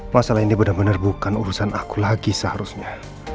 masalah ini bener bener bukan urusan aku lagi seharusnya